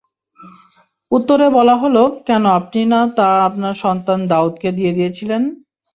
উত্তরে বলা হলো, কেন আপনি না তা আপনার সন্তান দাউদকে দিয়ে দিয়েছিলেন!